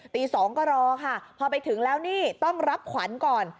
ตี๒ก็รอค่ะพอไปถึงแล้วนี่ต้องรับขวัญก่อน